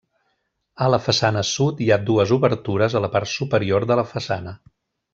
A la façana sud, hi ha dues obertures a la part superior de la façana.